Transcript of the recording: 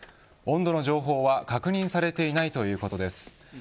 温度の情報は確認されていないとのことです。